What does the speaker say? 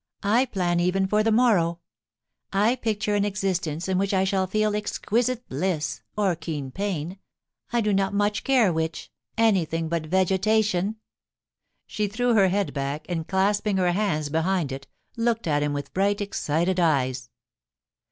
I plan even for the morrow. I picture an existence in which I shall feel exquisite bliss, or keen pain — I do not much care which — anything but vegetation.' She threw her head back, and clasping her hands behind it, looked at him with bright, excited eyes.